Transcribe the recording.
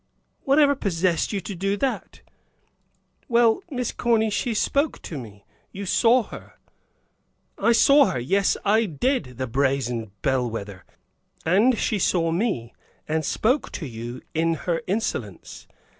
"Whatever possessed you to do that?" "Well, Miss Corny, she spoke to me. You saw her." "I saw her? Yes, I did see her, the brazen bellwether! And she saw me, and spoke to you in her insolence.